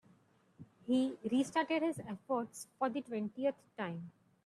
He restarted his efforts for the twentieth time.